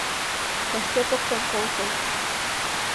Вашке поктен колто!